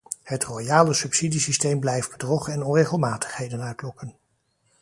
Het royale subsidiesysteem blijft bedrog en onregelmatigheden uitlokken.